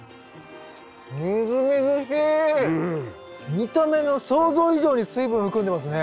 見た目の想像以上に水分含んでますね。